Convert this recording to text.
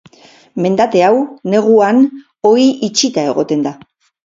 Mendate hau, neguan, ohi itxita egoten da.